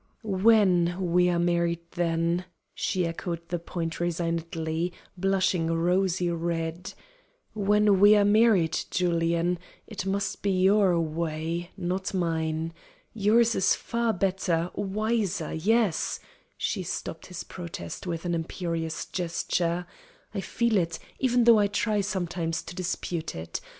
"When we are married, then," she ceded the point resignedly, blushing rosy red "when we are married, Julian, it must be your way, not mine. Yours is far better, wiser yes" she stopped his protest with an imperious gesture "I feel it, even though I try sometimes to dispute it.